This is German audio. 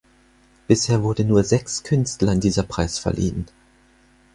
Bisher wurde nur sechs Künstlern dieser Preis verliehen.